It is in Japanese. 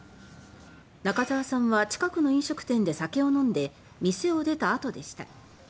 中澤さんは近くの飲食店で酒を飲んで店を出た後でした。